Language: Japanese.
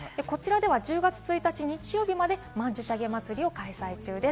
こちらでは１０月１日、日曜日まで曼珠沙華まつりを開催中です。